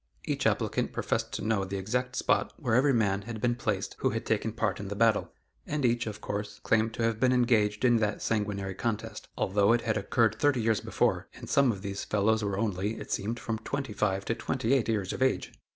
Each applicant professed to know the exact spot where every man had been placed who had taken part in the battle, and each, of course, claimed to have been engaged in that sanguinary contest, although it had occurred thirty years before, and some of these fellows were only, it seemed, from twenty five to twenty eight years of age!